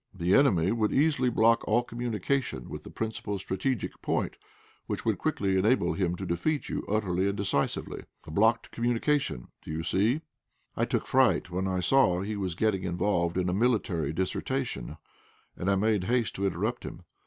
The enemy would easily block all communication with the principal strategic point, which would quickly enable him to defeat you utterly and decisively. A blocked communication, do you see?" I took fright when I saw he was getting involved in a military dissertation, and I made haste to interrupt him.